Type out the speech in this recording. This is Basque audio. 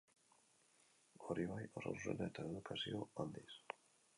Hori bai, oso zuzena eta edukazio handiz.